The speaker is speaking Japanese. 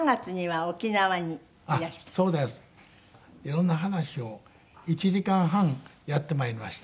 色んな話を１時間半やってまいりました。